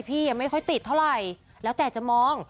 พี่ไม่ค่อยติดเท่าไหร่แล้วแต่จะมอง